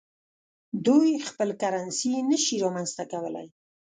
دوی خپل کرنسي نشي رامنځته کولای.